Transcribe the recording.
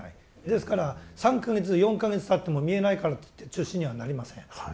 ですから３か月４か月たっても見えないからといって中止にはなりません。